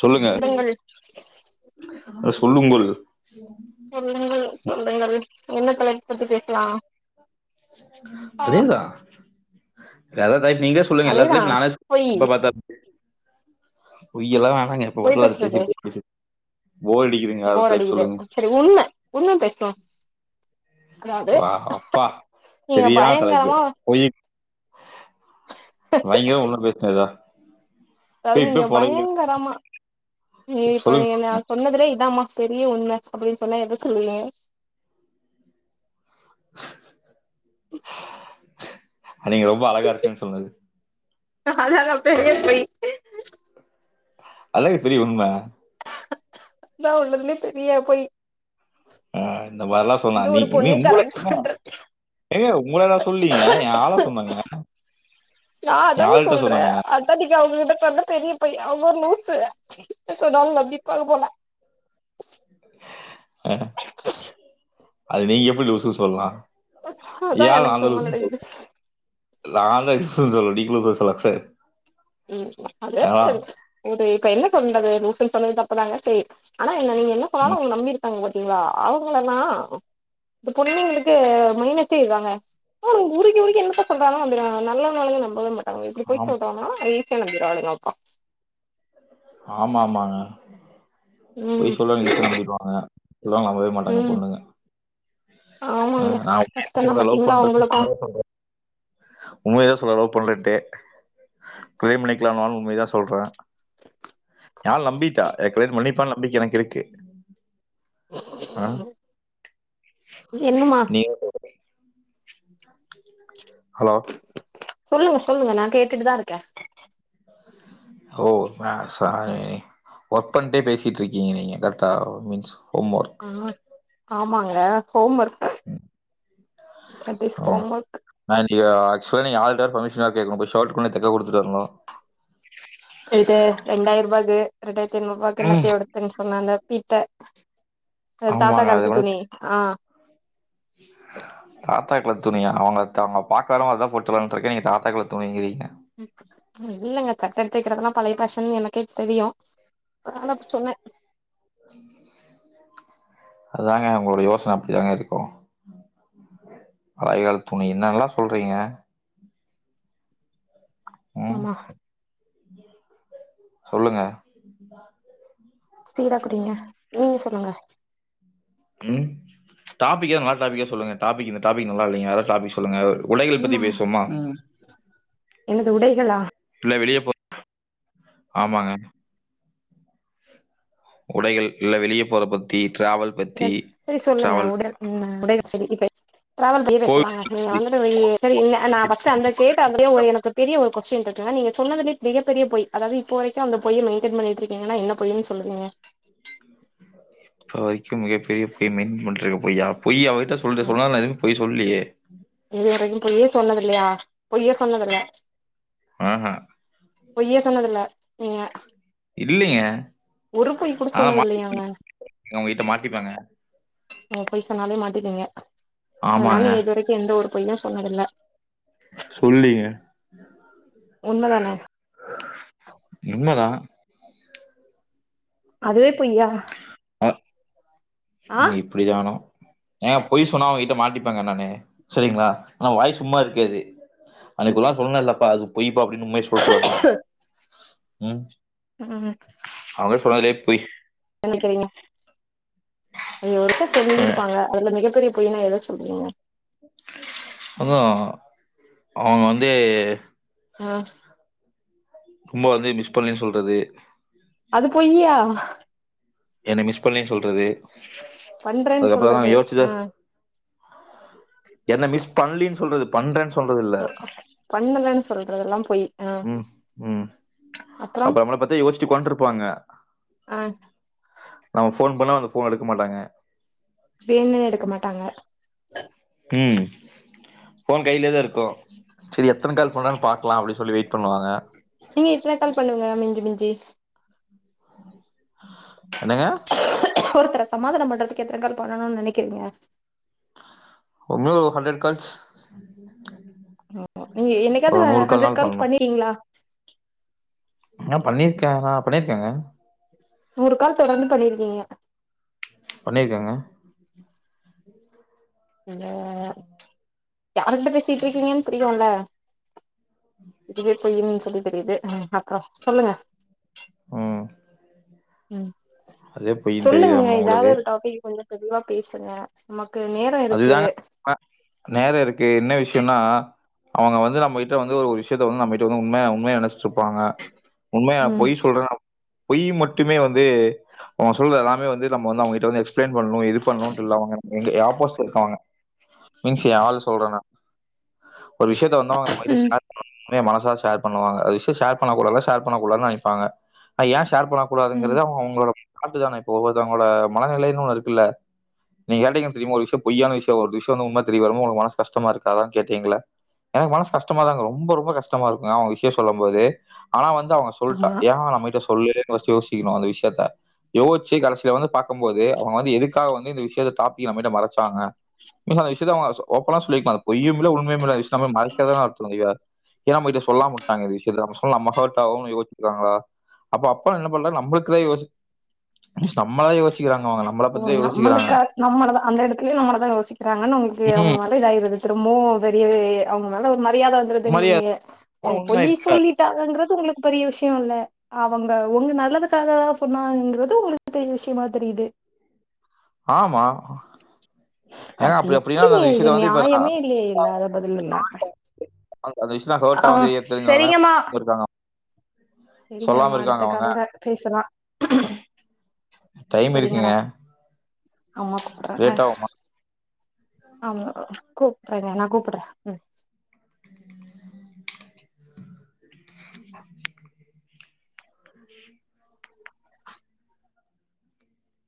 சொல்லுங்க சொல்லுங்கள் சொல்லுங்கள் சொல்லுங்கள் சொல்றங்கள் என்ன தலைப்பு பத்தி பேசலாம் அதேதா [unintelligible] நீங்களே சொல்லுங்க அதேதா எல்லாத்துலய நானே சொல் பொய் எப்பபாத்தாலும் பொய்யலாம் நாங்க எப்ப பொய் பாத்தாலும் அத பேசுறது பேசி பேசுறேன் போர் அடிக்குது சரி உண்ம உண்ம பேசணும் வாவ் அப்பா நீங்க செரியான தலைப்பு பயங்கரமா பொய்யி பயங்கரமா உண்ம பேசுறதா அதாவது நீங்க பயங்கரமா நீ இப்ப சொல்லுங்க நீங்க என்ன சொல்லுங்க. நான் சொன்னதுலே இதாமா பெரிய உண்ம அப்டின்னு சொன்னா எத சொல்லுவீங்க நீங்க ரொம்ப அழகா இருக்கன்னு சொன்னது அதுதான் பெரிய பொய் அதுதாங்க பெரிய உண்ம அதான் உலகத்திலே பெரிய பொய் ஆஹ் இந்த மாதிரில்லாம் இந்த சொல்லலாம் நீ ஒரு இ பொண்ணே உங்களுக்கு கரெக்ட் என்ன பண்ற ஏங்க உங்கள நா சொல் சொல்லீங்க ஏ ஆள சொன்னங்க நா ஏ ஆளுகிட்ட சொன்னங்க இது பெரிய பொய்அவங்க ஒரு லூசு எது சொன்னாலும் நம்பிடுவாங்க போல அஹ் அது நீங்க எப்படி லூசு சொல்லலாம் எ அதா ஆள நா எனக்கு தான் தும்மல் லுசு அடிக்குது சொல்லனும் [unintelligible] சொல்லுங்க சொல்லுங்க நீங்களும் சொல்லுங்க அது இப்ப என்ன சொல்றது லூசுன்னு சொன்னது தப்பு தாங்க சரி என்ன நீங்க என்ன சொன்னாலும் ம். அவங்க நம்பி இருக்கீங்க இருக்காங்கபாத்திங்களா ஆவங்களானா இந்த பொண்ணுங்களுக்கு மைனஸே இதுதாங்க உருகி உருகி என்னத்த சொல்றாலும் நம்பிடுவாங்க நல்லவங்களலா நம்பவே மாட்டாங்க இப்டி பொய் ஆம். சொல்றாங்கன்னா [unintelligible] ஆமா ஆமாங்க ம் பொய் சொல்றது ஈஸியா நம்பிடுவாங்க இதெல்லாம் நம்பவே மாட்டாங்க ம் பொண்ணுங்க ஆ ஆமாங்க நா [inaudible] கஷ்டந்தா பாத்தீங்களா உங்களுக்கு உம்மையதா சொல்லறா லவ் பண்ணலனுட்டு பிரேம் நெனக்கலனாலு உண்மைதா சொல்றே என் ஆள் நம்பிட்டா என்ன கல்யாணம் பண்ணிப்பானு நம்பிக்கை எனக்கு இருக்கு அ என்னமா நீ [inaudible] ஹலோ சொல்லுங்க சொல்லுங்க நா கேட்டுட்டுதா இருக்கே ஓ நா சாரி ஒர்க் பண்ணிட்டே பேசிட்டு இருக்கீங்க நீங்க கரெக்டா மீன்ஸ் ஹோம் வொர்க். [unintelligible] ஆமாங்க ஹோம் வொர்க் ம். [unintelligible] ம். ஹோம் வொர்க் சார் பர்மிஷன் வேற கேட்கணு போய் சார்ட் கொண்டு போய் தேக்க குடுத்துட்டு வரணுங்ளா ளுக்கு ரெண்டாயிரரூபாக்கு ரெண்டாயிரத்தி ஐநூறுவாக்கு ம். என்னத்தி எடுத்தேன்னு சொன்னாங்க பீத்த அது தாத்தா காலத்து துணி ஆ [unintelligible] தாத்தா காலத்து துணியா அவுங்க தா அவுங்க பாக்க வரும்போது அதா போட்டு வர்லான்ட்டு இருக்கே நீங்க தாத்தா காலத்து துணிங்கிறீங்க இல்லைங்க சட்டை எடுத்து வெக்கிறதெல்லா பழைய பேஷன்னு எனக்கே தெரியு ஆனாப்ப சொன்னே உஹ அதாங்க உங்களோட யோசன அப்டிதாங்க இருக்கு பழையகாலத்து துணி என்னெல்லா சொல்றீங்க ம். ஆமா சொல்லுங்க ஸ்பீடா குடிங்க ஊ சொல்லுங்க ம் டாப்பிக்க மாத்தாதிங்க சொல்லுங்க டாப்பிக் இந்த டாப்பிக் நல்ல இல்லீங்க அதர் டாப்பிக் னுமா ம் என்னது உடைகளா இல்ல வெளிய போ ஆமாங்க உடைகள் இல்ல வெளிய போற பத்தி டிராவல் பத்தி, சரி சொல்லுங்க டிராவல் உடல் [inaudible] டிராவல் பத்தி பேசலாங்க கோவில் நீங்க பத்தி. வந்துட்டு இரு சரி வேண்டா ஃபர்ஸ்ட் அந்த கேட்டு அப்டியே ஒ எனக்கு பெரிய கொஸ்டின் இருக்குங்க நீங்க சொன்னதுலயே மிகப்பெரிய பொய் அதாவது இப்போ வரைக்கு அந்த பொய்ய மெயின்டெய்ன் பண்ணிட்டு இருக்கீங்கன்னா என்ன பொய்ன்னு சொல்லுங்க இப்ப வரைக்கு மிகப்பெரிய பொய் மெயின்டெய்ன் பண்ணிருக்க பொய்யா பொய் அவ ட்ட சொல்லற சொன்னா எதுமே பொய் சொல்லியே இதுவரைக்கு பொய்யே சொன்னது இல்லையா பொய்யே சொன்னதில்ல ம்ஹூ பொய்யே சொன்னதில்ல நீங்க இல்லைங்க ஒரு பொய் கூட ஆனா சொன்னது இல்லையாங்க [inaudible] அவுங்ககிட்ட மாட்டிப்பங்க நீங்க பொய் சொன்னாலே மாட்டிக்குவீங்க அதனால ஆமாங்க. நீங்க இதுவரைக்கு எந்த ஒரு பொய்யு சொன்னதில்ல சொல்லீங்க உண்மதான உண்மதான். அதுவே பொய்யா ஆ ஆ நீ இப்படிதானோ ஏங்க பொய் சொன்னா அவுங்க கிட்ட மாட்டிப்பங்க நானு சரிங்ளா ஆனா வாயு சும்மா இருக்காது அன்னைக்கு ஒரு நாள் சொன்னல்லப்பா அது பொய்ப்பா அப்டின்னு உண்மைய சொல்ட்றானு ம் ம் அவுங்க சொன்னதுலயே பொய் நினைக்கறீங்க அது ஒரு விஷ்யோ அ சொல்லிருப்பாங்க அதுல மிக மிகப்பெரிய பொய்னா எத சொல்றீங்க அதான் அவங்க வந்து ஆ ரொம்ப வந்து மிஸ் பண்றேன்னு சொல்றது அது பொய்யா என்ன மிஸ் பண்ணேன்னு சொல்றது பண்றேன்னு அதுக்கப்புறலா சொல்றது ஆ யோசிச்சுதா என்ன மிஸ் பண்லனு சொல்றது பண்றேன்னு சொல்றது இல்ல. பண்ணலன்னு சொல்றதெல்லா பொய் ஆ அப்புறம் அப்புற நம்ல பத்தி யோசிச்சு உக்கான்ட்ருப்பாங்க ஆ நம்ம ஃபோன் பண்ணா அந்த ஃபோன எடுக்க மாட்டாங்க வேனுன்னே எடுக்க மாட்டாங்க ம் ஃபோன் கையிலேதா இருக்கு செரி எத்தன கால் பண்றானு பாக்கலா அப்டின்னு சொல்லி வெயிட் பண்ணுவாங்க நீங்க எத்தன கால் பண்ணுவிங்க மிஞ்சி மிஞ்சி என்னங்க ஒருத்தர சமாதானம் பண்றதுக்கு எத்தன கால் பண்ணணுனு நினைக்கிறீங்க ஒன்னு ஒரு ஹண்ரட் கால்ஸ் நீங்க என்னைக்காவது ஒரு நூறு ஹண்ட்ரட் கால்னாலு கால் பண்ணணு பண்ணியிருக்கீங்களா ஆ பண்ணிருக்கே நா பண்ணிருக்கேங்க நூறு கால் தொடர்ந்து பண்ணிருக்கீங்க பண்ணிருக்கேங்க இந்த யாருகிட்ட பேசிட்டுருக்கீங்கன்னு புரியுல்ல இதுவே பொய்யுனு சொல்லி தெரியுது அப்புறம் சொல்லுங்க ம் ம் அதே பொய்ன்னு சொல்லுங்கங்க தெரியுதாமா எதாவது உங்களுக்கு ஒரு டாபிக் கொஞ்ச தெளிவா பேசுங்க நேரோ இருக்கு அதுதாங்க நேர இருக்கு என்ன விஷய ன்னா அவுங்க வந்து நம்மகிட்ட வந்து ஒரு விஷயத்த வந்து நம்மகிட்ட வந்து உண்மையா உண்மையா நெனச்சு ப்பாங்க உண்மையா ம் பொய் சொல்றேனு பொய் மட்டுமே வந்து அவுங்க சொல்றது எல்லாமே வந்து நம்ம வந்து அவுங்ககிட்ட வந்து எக்ஸ் ப்லைன் பண்ணணு இது பண்ணணுட்டு இல்ல அவுங்க எங்க ஆப்போஸிட் இருக்கங்க மீன்ஸ் எ ஆள் சொல்றே நா ஒரு விஷயத்த வந்து அவுங்க நம்மகிட்ட ம் ஷேர் பண்ணனு உண்மையா மனசார ஷேர் பண்ணுவாங்க ஒரு விஷய ஷேர் பண்ணக்கூடாதுனா ஷேர் பண்ணக்க கூடாதுனு நினைப்பாங்க அனா ஏ ஷேர் பண்ணக்க ம் கூடாதுங்கறது அவுங்க அவுங்களோட கரெட்டு தானே இப்போ ஒவ்வருத்தவுங்களோட மனநிலைன்னு ஒண்ணு இருக்குல்ல நீங்க கேட்டீங்க தெரியுமா ஒரு விஷய பொய்யான விஷயோ ஒரு விஷயோ உண்மை தெரிய வரும்போது உங்களுக்கு மனசு கஷ்டமா இருக்காதானு கேட்டீங்கல்ல எனக்கு மனசு கஷ்டமா தாங்க ரொம்ப ரொம்ப கஷ்டமா இருக்குங்க அவுங்க விஷய சொல்லும் போது ஆனா வந் து அவுங்க சொல்ட்டா ஆமா ஏனா நம்மகிட்ட சொல்லலேன்னு ஃபஸ்ட்டு யோசிக்கணு அந்த விஷயத்த யோச்சு கடைசில வந்து பாக்கும் போது அவுங்க வந்து எதுக்காக வந்து இந்த விஷயத்த டாபிக்க நம்மகிட்ட மற ச்சாங்க இப்ப அந்த விஷயத்த அவுங்க ஓப்பனா சொல்லிருக்கலா பொய்யும் இல்ல உண்மையும் இல்ல விஷயத்த நம்ம மறைச்சதுதா ஏ நம்மகிட்ட சொல்லாம உட்டாங்க இந்த விஷயத்த நம்ம சொல்ல நம்ம ஹர்ட்டாவோன்னு யோசிச்சாங்களா அப்ப அப்பா என்ன பண்றாரு நம்மளுக்குதா யோசி நம்மதா யோசி ஓ நம்மளுக்கா நம்ம அந்த இடத்த இப்பையு நம்மளதா யோசிக்கிறாங்கன்னு உங்களுக்கு அவங்க ம் மேல இதாயிடுது திரும்பவு தெரியவே அவுங்க மேல ஒரு மரியாதை மரியாதை வந்துருதுங்கிறிங்க அப்புறம் அவுங்க உண்மை பொய் இப்ப சொல்லிட்டாங்கங்றது உங்களுக்கு பெரிய விஷயோ இல்ல அவங்க உங்க நல்லதுக்காகதா சொன்னாங்கறது உங்களுக்கு பெரிய விஷயமா தெரியுது ஆமா ஏங்க அது அப்படி அப்படின்னா எப்டிங்க அந்த இது விஷயத்த வந்து இப்ப நான் நியாயமே இல்லையே இல்லாத பதிலில்ல அந்த அந்த விஷயம் ஹர்ட் ஆ ஆகுது தெரிஞ்சனாலதான் செரிங்கம்மா இருக்காங்க செரிங்க நம்ம சொல்லாம இருக்காங்க அடுத்த அவங்க கால்ல பேசலா டைம் இருக்குங்க செரிங்களா அம்மா கூப்பிட்றாக லேட் ஆகும் ஆமா கூப்புறேங்க நா கூப்புட்றே ம்